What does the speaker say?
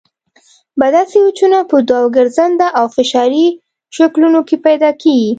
بدل سویچونه په دوو ګرځنده او فشاري شکلونو کې پیدا کېږي.